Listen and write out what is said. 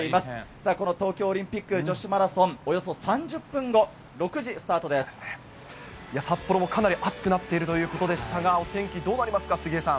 さあ、この東京オリンピック女子マラソン、およそ３０分後、札幌もかなり暑くなっているということでしたが、お天気どうなりますか、杉江さん。